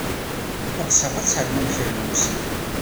Ɣseɣ ad ternum kra n wussan.